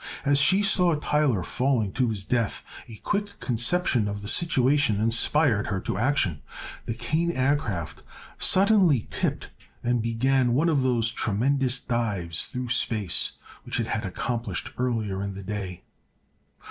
As she saw Tyler falling to his death, a quick conception of the situation inspired her to action. The Kane Aircraft suddenly tipped and began one of those tremendous dives through space which it had accomplished earlier in the day.